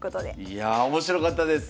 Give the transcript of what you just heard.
いや面白かったです！